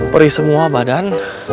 perih semua badan